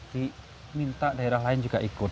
diminta daerah lain juga ikut